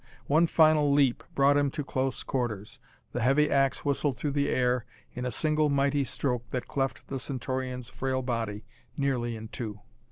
One final leap brought him to close quarters. The heavy ax whistled through the air in a single mighty stroke that cleft the Centaurian's frail body nearly in two.